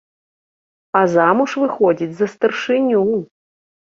А замуж выходзіць за старшыню!